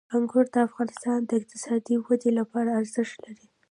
انګور د افغانستان د اقتصادي ودې لپاره ارزښت لري.